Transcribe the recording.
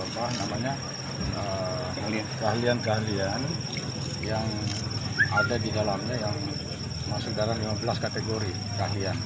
apa namanya keahlian keahlian yang ada di dalamnya yang masuk dalam lima belas kategori keahlian